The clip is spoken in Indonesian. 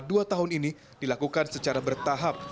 dua tahun ini dilakukan secara bertahap